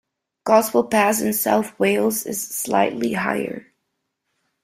Gospel Pass in south Wales is slightly higher.